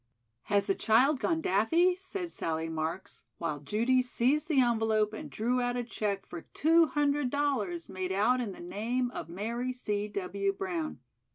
"Has the child gone daffy?" said Sallie Marks, while Judy seized the envelope and drew out a check for two hundred dollars made out in the name of "Mary C. W. Brown."